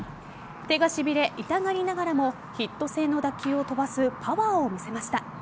手がしびれ、痛がりながらもヒット性の打球を飛ばすパワーを見せました。